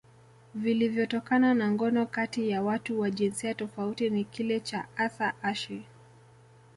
vilivyotokana na ngono kati ya watu wa jinsia tofauti ni kile cha Arthur Ashe